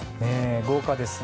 豪華ですね。